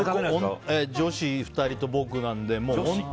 女子２人と僕なので。